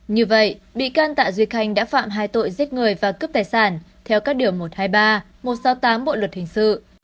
như vậy bị can tạ duy khanh đã phạm hai tội giết người và cướp tài sản theo các điều một trăm hai mươi ba một trăm sáu mươi tám bộ luật hình sự